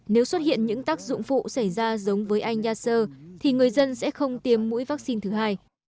nếu xuất hiện những tác dụng phụ xảy ra giống với anh yasser thì người dân sẽ không tiêm mũi vaccine thứ hai